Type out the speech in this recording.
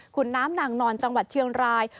คุณน้ำนางนอนจังหวัดเชียงราย